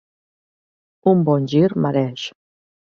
Un bon gir mereix